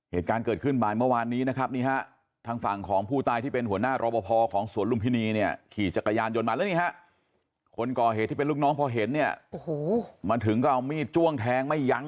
เหตุการณ์เกิดขึ้นบ่ายเมื่อวานนี้นะครับนี่ฮะทางฝั่งของผู้ตายที่เป็นหัวหน้ารอปภของสวนลุมพินีเนี่ยขี่จักรยานยนต์มาแล้วนี่ฮะคนก่อเหตุที่เป็นลูกน้องพอเห็นเนี่ยโอ้โหมาถึงก็เอามีดจ้วงแทงไม่ยั้ง